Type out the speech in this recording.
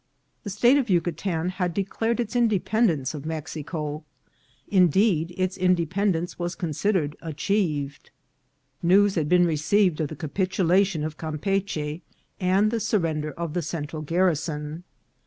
The State of Yucatan had declared its independence of Mex ico ; indeed, its independence was considered achieved. News had been received of the capitulation of Cam peachy and the surrender of the Central garrison.